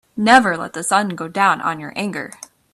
Never let the sun go down on your anger.